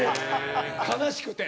悲しくて。